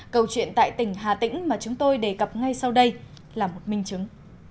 câu chuyện tại tỉnh hà tĩnh mà chúng tôi đề cập ngay sau đây là một minh chứng